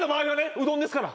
うどんですから。